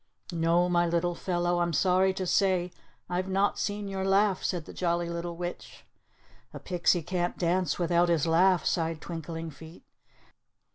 "No, my little fellow. I'm sorry to say I've not seen your laugh," said the Jolly Little Witch. "A pixie can't dance without his laugh," sighed Twinkling Feet.